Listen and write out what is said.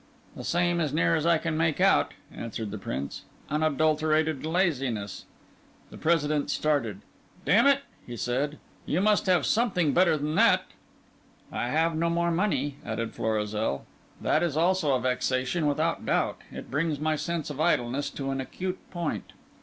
"The same, as near as I can make out," answered the Prince; "unadulterated laziness." The President started. "D—n it," said he, "you must have something better than that." "I have no more money," added Florizel. "That is also a vexation, without doubt. It brings my sense of idleness to an acute point."